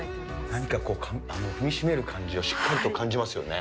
何かこう、踏み締める感じをしっかりと感じますよね。